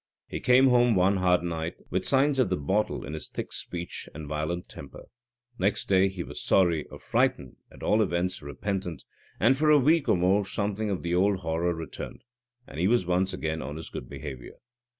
He came home one hard night, with signs of the bottle in his thick speech and violent temper. Next day he was sorry, or frightened, at all events repentant, and for a week or more something of the old horror returned, and he was once more on his good behaviour.